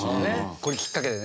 これきっかけでね。